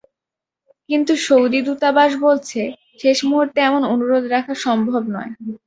কিন্তু সৌদি দূতাবাস বলেছে, শেষ মুহূর্তে এমন অনুরোধ রাখা সম্ভব নয়।